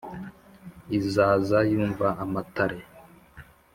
izaza yumva amatare